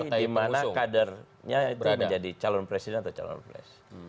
dimana kadernya itu menjadi calon presiden atau calon pres